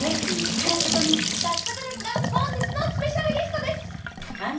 早速ですが本日のスペシャルゲストです。